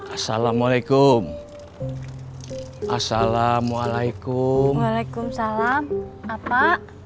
assalamualaikum assalamualaikum waalaikumsalam apa